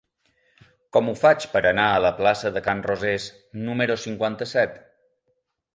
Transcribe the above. Com ho faig per anar a la plaça de Can Rosés número cinquanta-set?